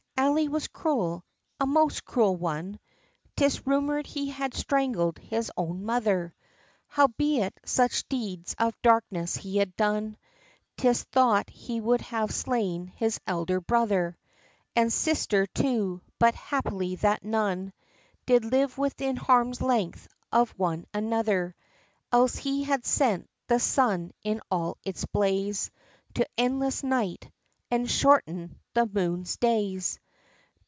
II. Ali was cruel a most cruel one! 'Tis rumored he had strangled his own mother Howbeit such deeds of darkness he had done, 'Tis thought he would have slain his elder brother And sister too but happily that none Did live within harm's length of one another, Else he had sent the Sun in all its blaze To endless night, and shorten'd the Moon's days.